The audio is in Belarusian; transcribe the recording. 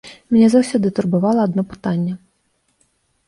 Мяне заўсёды турбавала адно пытанне.